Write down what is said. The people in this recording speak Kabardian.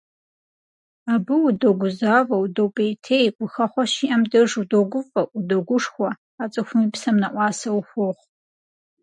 Абы удогузавэ, удопӏейтей, гухэхъуэ щиӏэм деж удогуфӏэ, удогушхуэ, а цӏыхум и псэм нэӏуасэ ухуохъу.